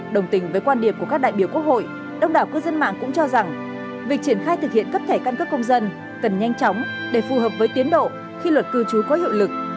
đồng tình với quan điểm của các đại biểu quốc hội đông đảo cư dân mạng cũng cho rằng việc triển khai thực hiện cấp thẻ căn cước công dân cần nhanh chóng để phù hợp với tiến độ khi luật cư trú có hiệu lực